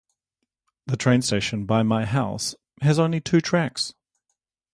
The train station by my house has only two tracks.